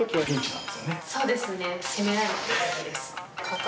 そうですね。